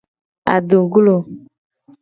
Adongglo.